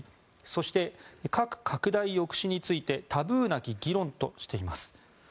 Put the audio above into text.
そして、核拡大抑止についてタブーなき議論としています。